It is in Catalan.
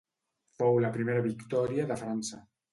Fou la primera victòria de França.